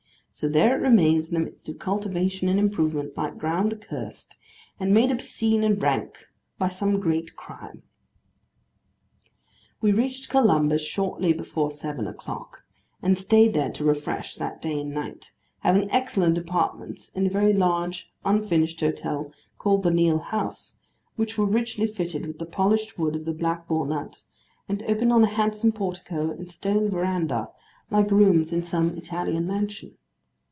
So there it remains, in the midst of cultivation and improvement, like ground accursed, and made obscene and rank by some great crime. We reached Columbus shortly before seven o'clock, and stayed there, to refresh, that day and night: having excellent apartments in a very large unfinished hotel called the Neill House, which were richly fitted with the polished wood of the black walnut, and opened on a handsome portico and stone verandah, like rooms in some Italian mansion.